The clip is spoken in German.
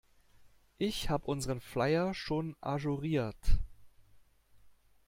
Ich hab unseren Flyer schon ajouriert.